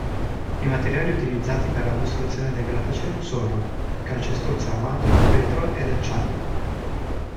I materiali utilizzati per la costruzione del grattacielo sono: calcestruzzo armato, vetro ed acciaio.